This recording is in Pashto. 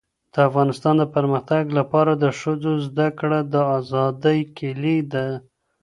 . د افغانستان د پرمختګ لپاره د ښځو زدهکړه د آزادۍ کيلي ده.